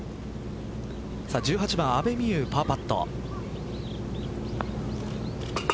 １８番阿部未悠パーパット。